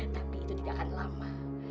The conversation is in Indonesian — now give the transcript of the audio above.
tapi itu tidak akan lama